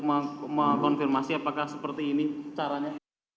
mengkonfirmasi apakah seperti ini caranya